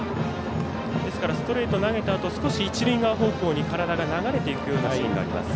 ですからストレート投げたあと少し一塁側方向に体が流れていくようなシーンがあります。